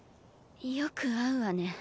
よく会うわね。